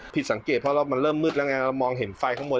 ผิดสังเกตเพราะมันเริ่มมืดแล้วไงเรามองเห็นไฟข้างบน